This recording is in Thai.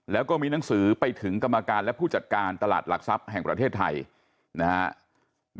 แล้วก็มีหนังสือไปถึงกรรมการและผู้จัดการตลาดหลักทรัพย์แห่งประเทศไทยนะครับ